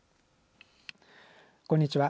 こんにちは。